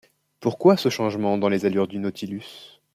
Pourquoi ce changement dans les allures du Nautilus ?